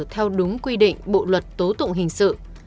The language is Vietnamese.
theo đúng quy định bộ luật tố tụng hình sự